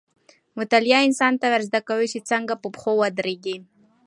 مطالعه انسان ته دا ورزده کوي چې څنګه په خپلو پښو ودرېږي.